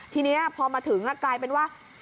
ทีนี้พอมาถึงกลายเป็นว่า